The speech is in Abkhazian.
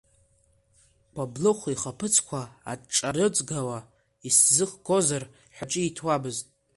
Қәаблыхә ихаԥыцқәа аҿҿа рыҵгауа, исзыхгозар ҳәа ҿиҭуамызт.